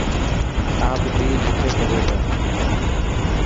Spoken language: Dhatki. آپ بي لکي سڳو تا.